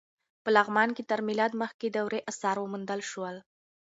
په لغمان کې تر میلاد مخکې دورې اثار وموندل شول.